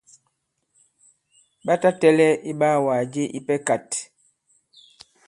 Ɓa ta tɛ̄lɛ̄ iɓaawàgà je ipɛ kāt.